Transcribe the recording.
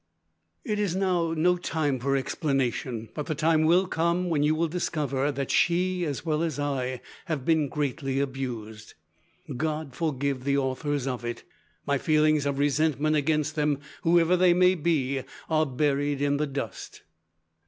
"It is now no time for explanation, but the time will come when you will discover that she, as well as I, has been greatly abused. God forgive the authors of it! My feelings of resentment against them, whoever they may be, are buried in the dust.